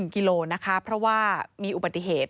กิโลนะคะเพราะว่ามีอุบัติเหตุ